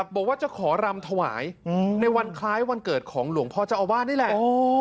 บอกว่าจะขอรำถวายในวันคล้ายวันเกิดของหลวงพ่อเจ้าอาวาสนี่แหละ